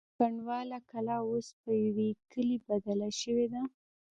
کنډواله کلا اوس په یوه کلي بدله شوې ده.